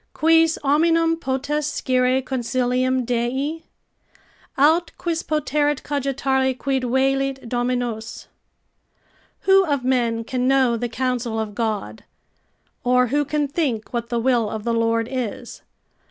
"Quis hominum potest scire consilium Dei? Aut quis poterit cogitare quid velit Dominus?" ["Who of men can know the counsel of God? or who can think what the will of the Lord is."